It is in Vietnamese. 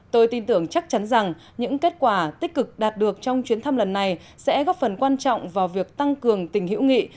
tôi tin tưởng chắc chắn rằng những kết quả tích cực đạt được trong chuyến thăm lần này sẽ góp phần quan trọng vào việc tăng cường tình hữu nghị